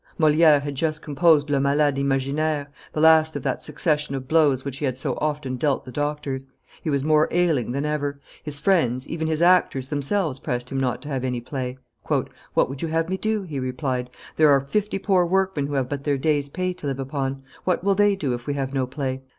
Moliere had just composed Le Malade Imaginaire, the last of that succession of blows which he had so often dealt the doctors; he was more ailing than ever; his friends, even his actors themselves pressed him not to have any play. "What would you have me do?" he replied; "there are fifty poor workmen who have but their day's pay to live upon; what will they do if we have no play?